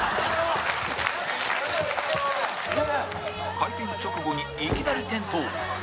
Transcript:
回転直後にいきなり転倒